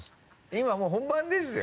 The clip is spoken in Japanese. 今もう本番ですよ？